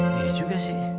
iya juga sih